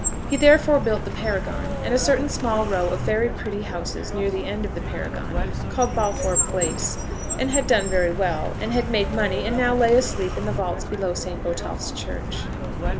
He therefore built the Paragon, and a certain small row of very pretty houses near the end of the Paragon, called Balfour Place, and had done very well, and had made money; and now lay asleep in the vaults below St. Botolph's Church.